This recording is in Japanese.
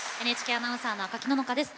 ＮＨＫアナウンサーの赤木野々花です。